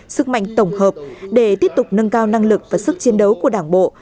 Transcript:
sức mạnh tổng hợp để tiếp tục nâng cao năng lực và sức chiến đấu của đảng bộ